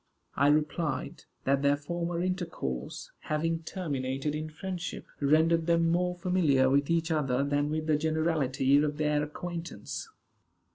I replied, that their former intercourse, having terminated in friendship, rendered them more familiar with each other than with the generality of their acquaintance.